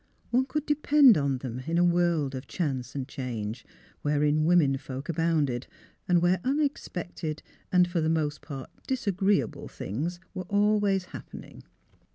One could depend upon them in a world of chance and change, wherein women folks abounded, and where unex pected and, for the most part, disagreeable things were always happening.